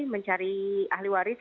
mencari ahli waris